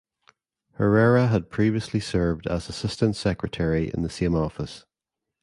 Herrera had previously served as Assistant Secretary in the same office.